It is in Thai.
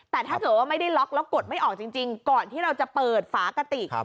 แต่ถ้าเกิดว่าไม่ได้ล็อกแล้วกดไม่ออกจริงก่อนที่เราจะเปิดฝากติก